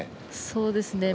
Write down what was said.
そうですね。